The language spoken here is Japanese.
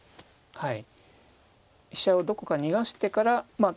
はい。